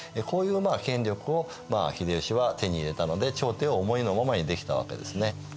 こういう権力を秀吉は手に入れたので朝廷を思いのままにできたわけですね。